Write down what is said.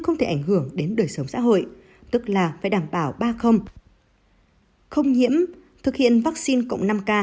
không thể ảnh hưởng đến đời sống xã hội tức là phải đảm bảo ba không nhiễm thực hiện vaccine